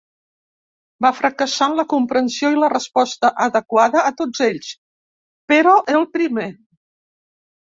Va fracassar en la comprensió i la resposta adequada a tots ells, però el primer.